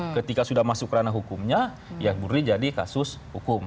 ketika sudah masuk ke rana hukumnya ya buru jadi kasus hukum